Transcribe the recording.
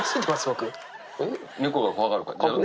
猫が怖がるから。